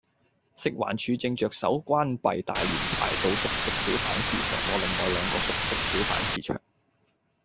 食環署正着手關閉大連排道熟食小販市場和另外兩個熟食小販市場